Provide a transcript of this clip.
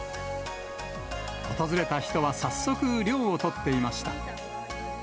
訪れた人は早速、涼をとっていました。